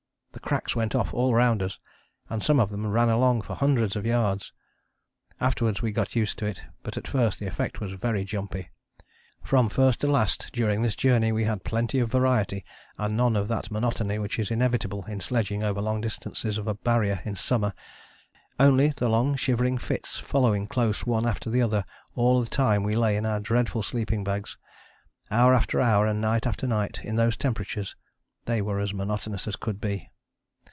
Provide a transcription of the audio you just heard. The cracks went off all round us, and some of them ran along for hundreds of yards. Afterwards we got used to it, but at first the effect was very jumpy. From first to last during this journey we had plenty of variety and none of that monotony which is inevitable in sledging over long distances of Barrier in summer. Only the long shivering fits following close one after the other all the time we lay in our dreadful sleeping bags, hour after hour and night after night in those temperatures they were as monotonous as could be.